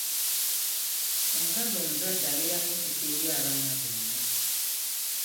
Omukazi omuzadde abeera n'ekisa eri abaana bonna.